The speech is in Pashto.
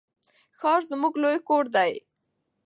ښار زموږ لوی کور دی.